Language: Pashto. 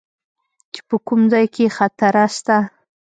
چې په کوم ځاى کښې خطره سته.